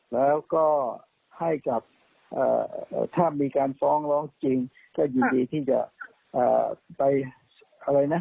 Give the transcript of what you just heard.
แล้วก็ให้กับถ้ามีการฟ้องร้องจริงก็ยินดีที่จะไปอะไรนะ